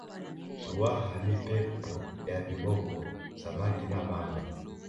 ruaha ni pepo ya viboko samaki na mamba